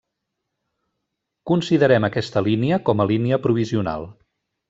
Considerem aquesta línia com a línia provisional.